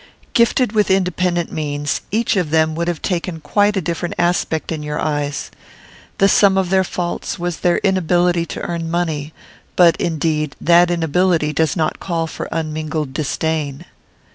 Gifted with independent means, each of them would have taken quite a different aspect in your eyes. The sum of their faults was their inability to earn money; but, indeed, that inability does not call for unmingled disdain.